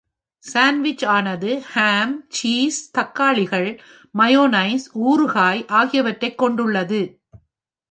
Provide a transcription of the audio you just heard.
Sandwich ஆனது ham, cheese, தக்காளிகள், mayonnaise, ஊறுகாய் ஆகியவற்றைக் கொண்டுள்ளது.